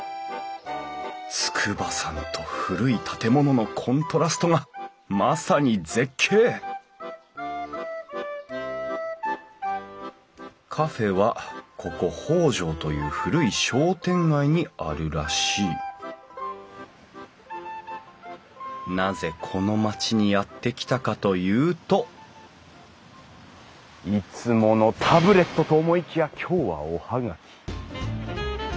筑波山と古い建物のコントラストがまさに絶景カフェはここ北条という古い商店街にあるらしいなぜこの町にやって来たかというといつものタブレットと思いきや今日はお葉書。